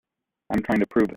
I'm trying to prove it.